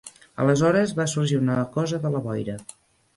Aleshores va sorgir una cosa de la boira.